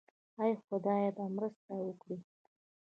آیا خدای به مرسته وکړي؟